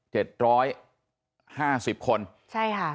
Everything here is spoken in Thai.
ใช่ค่ะ